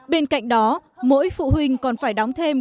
bên cạnh đó mỗi phụ huynh còn phải đóng thêm